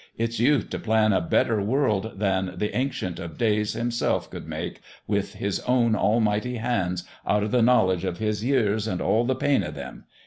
It's youth t' plan a better world than the Ancient of Days Himself could make with His own Almighty Hands out o' the knowledge of His years and all the pain o' them.